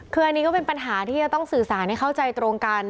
คืออันนี้ก็เป็นปัญหาที่จะต้องสื่อสารให้เข้าใจตรงกัน